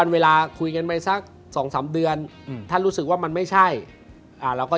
เวลาคุยกับใครก็